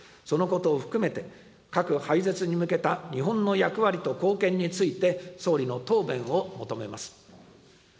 そのことを含めて、核廃絶に向けた日本の役割と貢献について、総理の答弁を求めます。